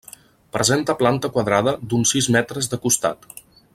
Presenta planta quadrada d'uns sis metres de costat.